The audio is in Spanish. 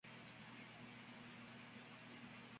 Akito Takagi